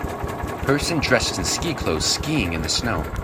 Person dressed in ski clothes skiing in the snow.